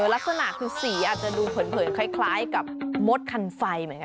ลักษณะคือสีอาจจะดูเผินคล้ายกับมดคันไฟเหมือนกัน